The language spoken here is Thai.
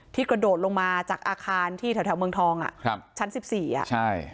กระโดดลงมาจากอาคารที่แถวแถวเมืองทองอ่ะครับชั้นสิบสี่อ่ะใช่